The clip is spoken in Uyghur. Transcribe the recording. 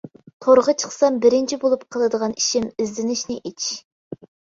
تورغا چىقسام بىرىنچى بولۇپ قىلىدىغان ئىشىم ئىزدىنىشنى ئېچىش.